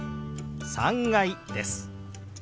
「３階」です。